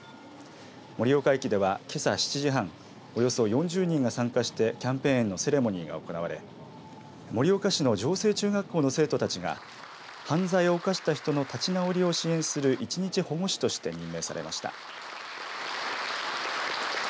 盛岡駅ではけさ７時半およそ４０人が参加してキャンペーンのセレモニーが行われ盛岡市の城西中学校の生徒たちが犯罪を犯した人の立ち直りを支援する一日保護司として任命されました。